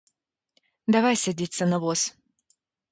Давай садзіцца на воз.